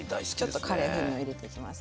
ちょっとカレー風味を入れていきます。